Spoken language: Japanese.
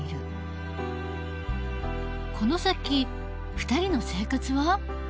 この先２人の生活は？